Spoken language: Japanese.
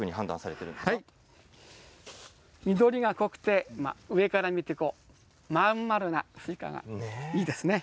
緑が濃くて、上から見て真ん丸なものがいいですね。